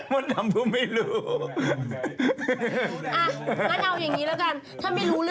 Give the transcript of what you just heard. ไม่รู้รถดำผู้ไม่รู้